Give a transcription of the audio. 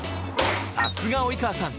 さすが及川さん